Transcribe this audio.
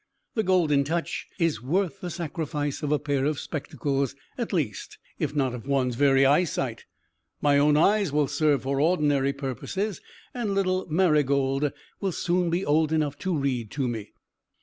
The Golden Touch is worth the sacrifice of a pair of spectacles, at least, if not of one's very eyesight. My own eyes will serve for ordinary purposes, and little Marygold will soon be old enough to read to me."